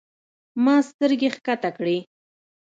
ما سترګې کښته کړې.